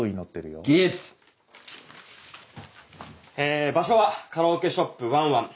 え場所はカラオケショップわんわん。